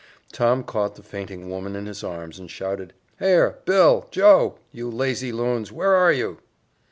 Tom caught the fainting woman in his arms and shouted, "Here, Bill, Joe! You lazy loons, where are you?"